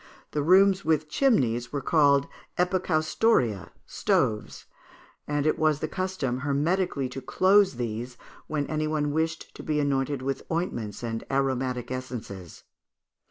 The rooms with chimneys were called epicaustoria (stoves), and it was the custom hermetically to close these when any one wished to be anointed with ointments and aromatic essences.